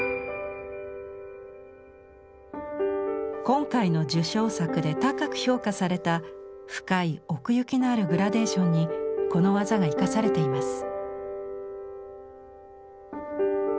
今回の受賞作で高く評価された深い奥行きのあるグラデーションにこの技が生かされています。